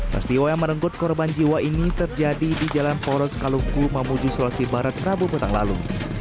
peristiwa yang merenggut korban jiwa ini terjadi di jalan poros kalungku mamuju sulawesi barat rabu petang lalu